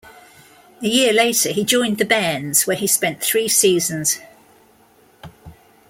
A year later he joined the "Bairns", where he spent three seasons.